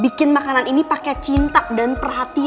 bikin makanan ini pakai cinta dan perhatian